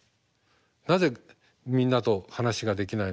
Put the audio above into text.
なぜみんなと話ができないのか。